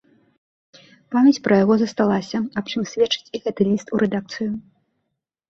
Памяць пра яго засталася, аб чым сведчыць і гэты ліст у рэдакцыю.